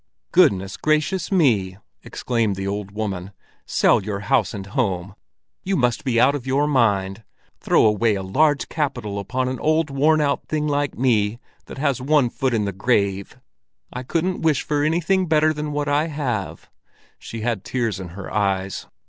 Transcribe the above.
"Goodness gracious me!" exclaimed the old woman. "Sell your house and home! You must be out of your mind! Throw away a large capital upon an old, worn out thing like me, that has one foot in the grave! I couldn't wish for anything better than what I have!" She had tears in her eyes.